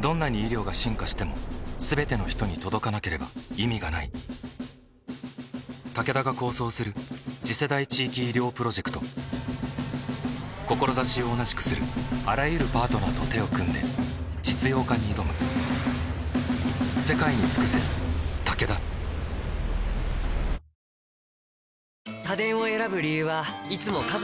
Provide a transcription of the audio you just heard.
どんなに医療が進化しても全ての人に届かなければ意味がないタケダが構想する次世代地域医療プロジェクト志を同じくするあらゆるパートナーと手を組んで実用化に挑む洗っても落ちない